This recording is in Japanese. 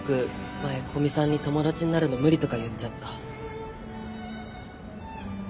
前古見さんに「友達になるのムリ」とか言っちゃった。